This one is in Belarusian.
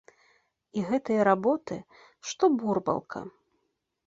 Іх гэтыя работы, што бурбалка.